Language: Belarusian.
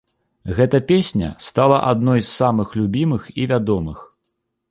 Гэта песня стала адной з самых любімых і вядомых.